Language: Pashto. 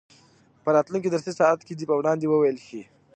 په راتلونکي درسي ساعت کې دې په وړاندې وویل شي.